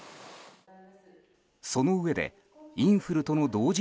そのうえでインフルとの同時